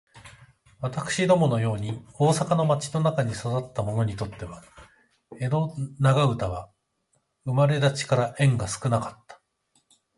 私どもの様に大阪の町の中に育つた者にとつては、江戸長唄は生れだちから縁が少かつた。